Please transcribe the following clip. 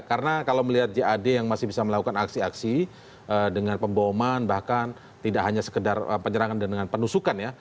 karena kalau melihat jad yang masih bisa melakukan aksi aksi dengan pemboman bahkan tidak hanya sekedar penyerangan dan dengan penusukan ya